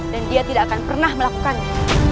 dan dia tidak akan pernah melakukannya